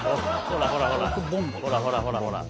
ほらほらほらほら。